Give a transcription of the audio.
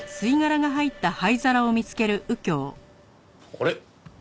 あれ？